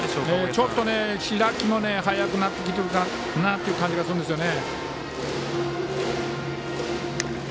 ちょっと開きも早くなってきてるかなという感じがするんですね。